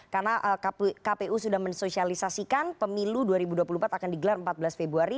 karena kpu sudah mensosialisasikan pemilu dua ribu dua puluh empat akan digelar empat belas februari